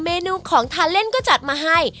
เมนูของทานเล่นก็จัดมาให้